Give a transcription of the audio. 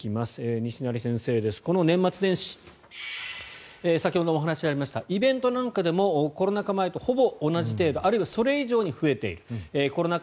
西成先生です、この年末年始先ほどもお話がありましたイベントなんかでもコロナ禍前とほぼ同じ程度あるいはそれ以上に増えているコロナ禍